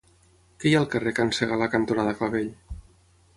Què hi ha al carrer Can Segalar cantonada Clavell?